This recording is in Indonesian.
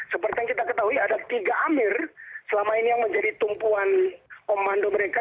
seperti yang kita ketahui ada tiga amir selama ini yang menjadi tumpuan komando mereka